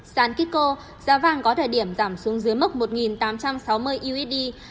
sản kiko giá vàng có thời điểm giảm xuống dưới mức một tám trăm sáu mươi usd